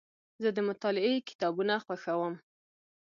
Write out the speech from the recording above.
زه د مطالعې کتابونه خوښوم.